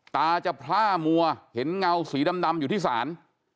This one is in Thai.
ตาจะพล่ามัวเห็นเงาสีดำอยู่ที่ศาล